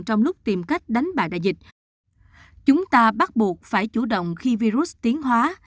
trong lúc tìm cách đánh bại đại dịch chúng ta bắt buộc phải chủ động khi virus tiến hóa